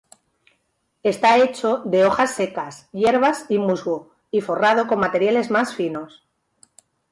Está hecho de hojas secas, hierbas y musgo, y forrado con materiales más finos.